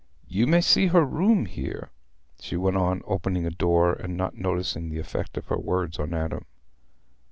You may see her room here," she went on, opening a door and not noticing the effect of her words on Adam.